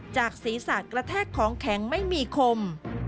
จากศีรษะกระแทกของแข็งไม่มีคม